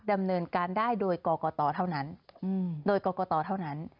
ดำเนินการได้โดยกกตเท่านั้น